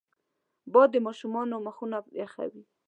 باد د ماشومانو مخونه یخوي